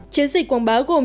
chiến dịch quảng báo gồm